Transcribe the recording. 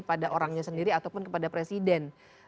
pada orangnya sendiri ataupun kepada presiden